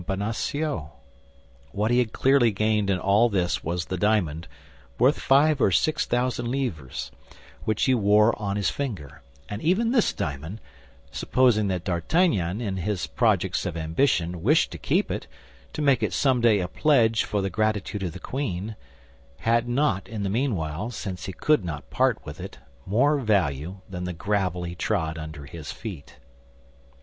Bonacieux. What he had clearly gained in all this was the diamond, worth five or six thousand livres, which he wore on his finger; and even this diamond—supposing that D'Artagnan, in his projects of ambition, wished to keep it, to make it someday a pledge for the gratitude of the queen—had not in the meanwhile, since he could not part with it, more value than the gravel he trod under his feet.